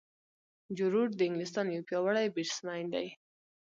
جو روټ د انګلستان یو پیاوړی بیټسمېن دئ.